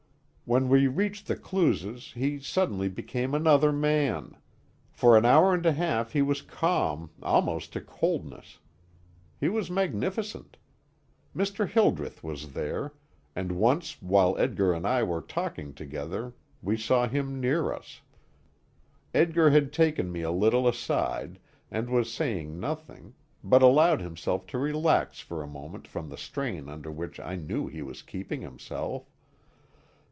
When we reached the Clews's he suddenly became another man. For an hour and a half he was calm almost to coldness. He was magnificent. Mr. Hildreth was there, and once while Edgar and I were talking together we saw him near us. Edgar had taken me a little aside, and was saying nothing, but allowing himself to relax for a moment from the strain under which I knew he was keeping himself.